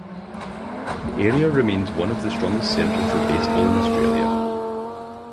The area remains one of the strongest centres for Baseball in Australia.